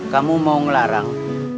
kamu mau ngelarang